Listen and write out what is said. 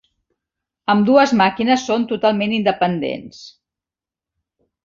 Ambdues màquines són totalment independents.